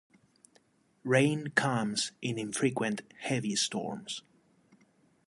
Rain comes in infrequent heavy storms.